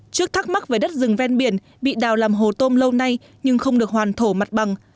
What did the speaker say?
trước thắc mắc về đất rừng ven biển bị đào làm hồ tôm lâu nay nhưng không được hoàn thổ mặt bằng